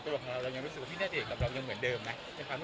ถ้าเจอก็คือคุยตอนที่หนูอยู่ที่งานด้วย